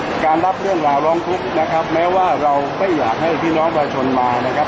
การรับเรื่องราวร้องทุกข์นะครับแม้ว่าเราไม่อยากให้พี่น้องประชาชนมานะครับ